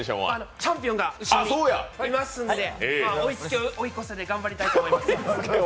チャンピオンが後ろにいますので追い付け追い越せで頑張りたいと思います。